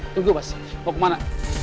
tunggu mas mau ke mana